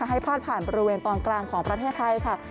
พาดผ่านบริเวณตอนกลางของประเทศไทยค่ะ